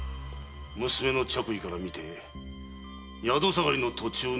娘の着衣から見て宿下がりの途中の災難やも知れぬ。